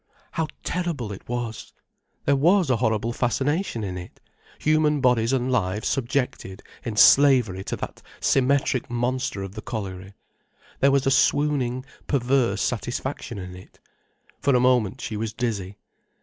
How terrible it was! There was a horrible fascination in it—human bodies and lives subjected in slavery to that symmetric monster of the colliery. There was a swooning, perverse satisfaction in it. For a moment she was dizzy.